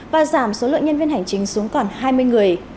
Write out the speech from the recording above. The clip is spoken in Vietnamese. và giảm số lượng nhân viên hành chính xuống còn hai mươi người